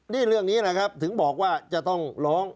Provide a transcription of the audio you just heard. นี่เรื่องนี้นะครับถึงบอกว่าจะต้องร้อง